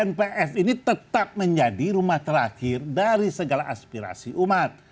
npf ini tetap menjadi rumah terakhir dari segala aspirasi umat